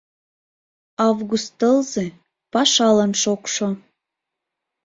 Август тылзе — пашалан шокшо.